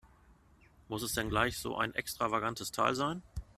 Muss es denn gleich so ein extravagantes Teil sein?